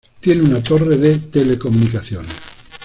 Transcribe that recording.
Tiene una torre de telecomunicaciones.